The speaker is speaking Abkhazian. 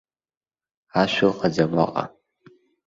Ашә ыҟаӡам уаҟа.